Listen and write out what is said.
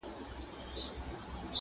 د هسکو غرونو درې ډکي کړلې!.